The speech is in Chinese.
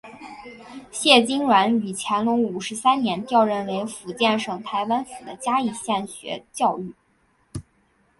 谢金銮于乾隆五十三年调任为福建省台湾府的嘉义县学教谕。